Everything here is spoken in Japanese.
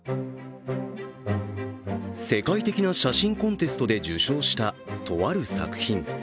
世界的な写真コンテストで受賞したとある作品。